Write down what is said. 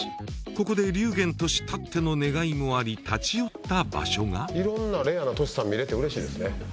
ここで龍玄としたっての願いもあり立ち寄った場所がいろんなレアなとしさん見れて嬉しいですね